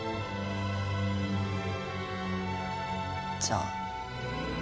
じゃあ。